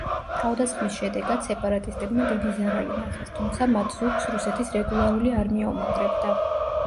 თავდასხმის შედეგად სეპარატისტებმა დიდი ზარალი ნახეს თუმცა მათ ზურგს რუსეთის რეგულარული არმია უმაგრებდა.